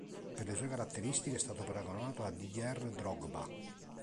Per le sue caratteristiche è stato paragonato a Didier Drogba.